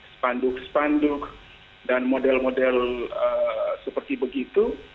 spanduk spanduk dan model model seperti begitu